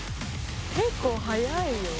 結構速いよ。